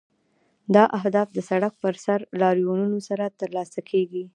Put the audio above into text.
دا اهداف د سړک پر سر لاریونونو سره ترلاسه کیږي.